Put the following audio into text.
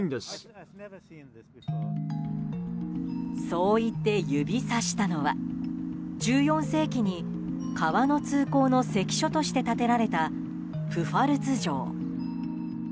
そう言って指さしたのは１４世紀に川の通行の関所として建てられたプファルツ城。